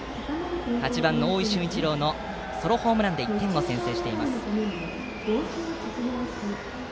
８番、大井駿一郎のソロホームランで１点先制です。